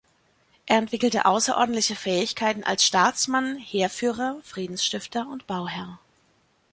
Er entwickelte außerordentliche Fähigkeiten als Staatsmann, Heerführer, Friedensstifter und Bauherr.